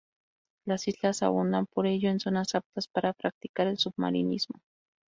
Las islas abundan por ello en zonas aptas para practicar el submarinismo.